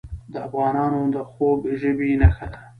د افغانانو د خوږ ژبۍ نښه ده.